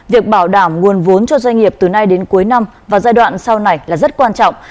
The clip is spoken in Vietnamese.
việc bảo đảm nguồn vốn cho doanh nghiệp từ nay đến cuối năm và giai đoạn sau này là rất quan trọng